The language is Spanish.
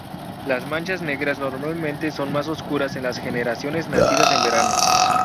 Las manchas negras normalmente son más oscuras en las generaciones nacidas en verano.